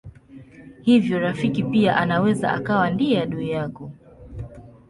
Hivyo rafiki pia anaweza akawa ndiye adui wako.